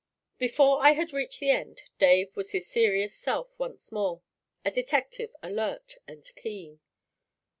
Before I had reached the end Dave was his serious self once more a detective alert and keen.